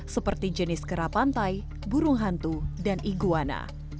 seperti jenis kerapantai burung hantu dan iguana